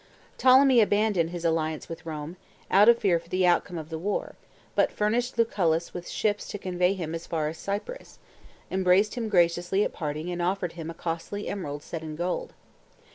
III, Ptolemy abandoned his alliance with Rome, out of fear for the outcome of the war, but furnished Lucullus with ships to convoy him as far as Cyprus, embraced him graciously at parting, and offered him a costly emerald set in gold.